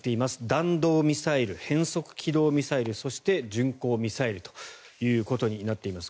弾道ミサイル変則軌道ミサイルそして、巡航ミサイルということになっています。